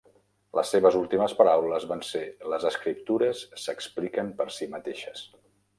Les seves últimes paraules van ser "Les escriptures s'expliquen per si mateixes".